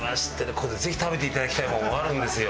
ここでぜひ食べていただきたいものがあるんですよ。